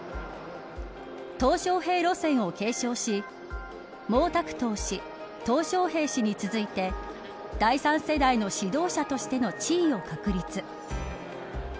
小平路線を継承し毛沢東氏小平氏に続いて第３世代の指導者としての地位を確立。